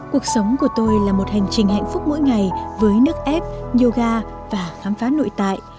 cuộc sống của tôi là một hành trình hạnh phúc mỗi ngày với nước ép yoga và khám phá nội tại